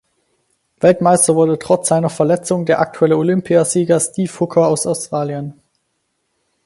Weltmeister wurde trotz einer Verletzung der aktuelle Olympiasieger Steve Hooker aus Australien.